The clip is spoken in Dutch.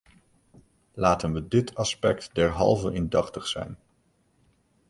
Laten we dit aspect derhalve indachtig zijn.